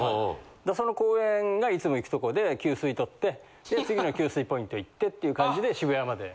その公園がいつも行くとこで給水とって次の給水ポイント行ってっていう感じで渋谷まで。